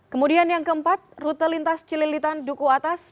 kemudian yang keempat rute lintas cililitan duku atas